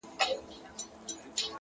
د وخت قدر د ځان قدر دی.!